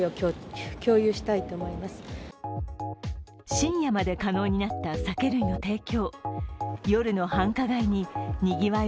深夜まで可能になった酒類の提供。